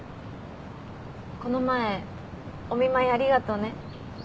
この前お見舞いありがとうね。